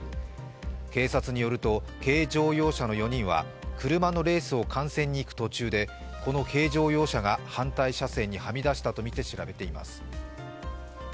警察によると軽乗用車の４人は車のレースを観戦に行く途中でこの軽乗用車が反対車線にはみ出したとみて調べています。